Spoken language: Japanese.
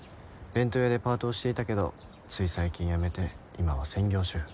弁当屋でパートをしていたけどつい最近辞めて今は専業主婦。